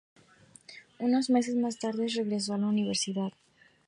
Unos meses más tarde regresó a la Universidad.